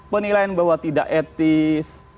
penilaian bahwa tidak etis